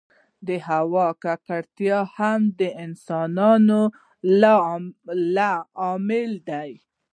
د هوا ککړتیا هم د انسانانو له امله ده.